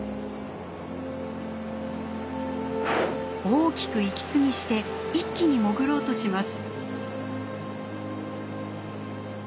大きく息継ぎして一気に潜ろうとします。